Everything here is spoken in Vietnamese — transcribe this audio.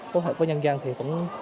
có hợp với nhân dân thì vẫn